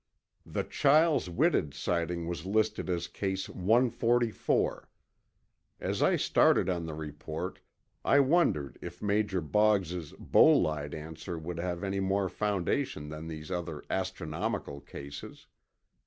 The Chiles Whitted sighting was listed as Case 144. As I started on the report, I wondered if Major Boggs's "bolide" answer would have any more foundation than these other "astronomical" cases.